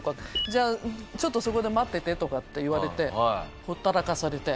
「じゃあちょっとそこで待ってて」とかって言われてほったらかされて。